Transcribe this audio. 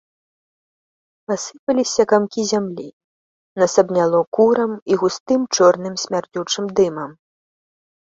Пасыпаліся камкі зямлі, нас абняло курам і густым, чорным смярдзючым дымам.